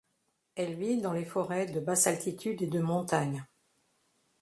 Elle vit dans les forêts de basse altitude et de montagne.